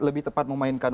lebih tepat memainkan